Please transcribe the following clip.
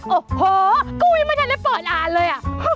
โอ้โหกูยังไม่ทันได้เปิดอ่านเลย